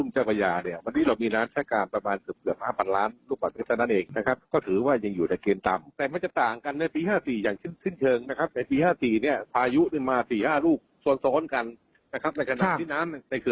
ในขณะที่น้ำในเขื่อนข้างบนก็เต็ม